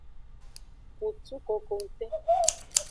Kutu kokongte.